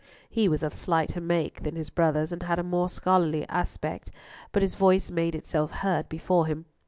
He was of slighter make than his brothers, and had a more scholarly aspect: but his voice made itself heard before him.